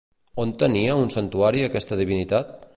On tenia un santuari aquesta divinitat?